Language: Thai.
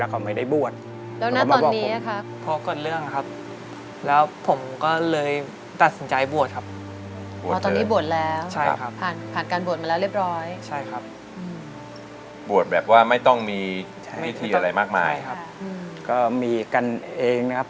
ครับก็มีกันเองนะครับ